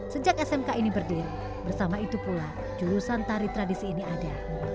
sejak smk ini berdiri bersama itu pula jurusan tari tradisi ini ada